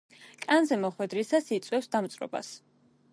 კანზე მოხვედრისას იწვევს დამწვრობას.